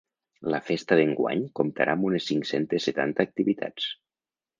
La festa d’enguany comptarà amb unes cinc-cents setanta activitats.